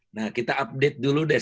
nah kita update dulu deh